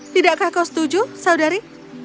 tidakkah kau setuju saudari